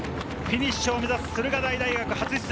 フィニッシュを目指す駿河台大学。